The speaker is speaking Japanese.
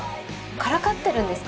からかってるんですか？